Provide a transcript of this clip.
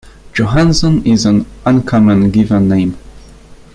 Johansson is an uncommon given name.